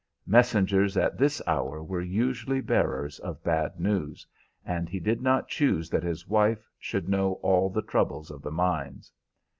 Messengers at this hour were usually bearers of bad news, and he did not choose that his wife should know all the troubles of the mines.